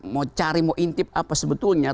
mau cari mau intip apa sebetulnya